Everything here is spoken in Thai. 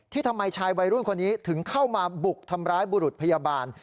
ทำไมชายวัยรุ่นคนนี้ถึงเข้ามาบุกทำร้ายบุรุษพยาบาล